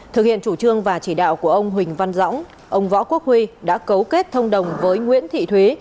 thực hiện chủ trương và chỉ đạo của ông huỳnh văn dõng ông võ quốc huy đã cấu kết thông đồng với nguyễn thị thúy